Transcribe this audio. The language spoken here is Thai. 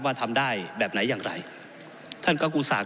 มันทำแล้วมันล้าวจึงต้องสร้างเงื่อนไข